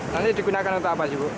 nanti digunakan untuk apa sih bu